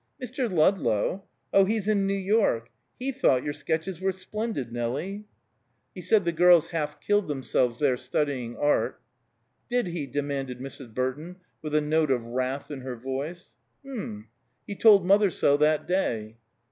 "Mr. Ludlow? Oh, he's in New York. He thought your sketches were splendid, Nelie." "He said the girls half killed themselves there studying art." "Did he?" demanded Mrs. Burton with a note of wrath in her voice. "Mm. He told mother so that day."